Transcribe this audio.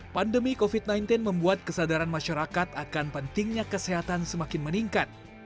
pandemi covid sembilan belas membuat kesadaran masyarakat akan pentingnya kesehatan semakin meningkat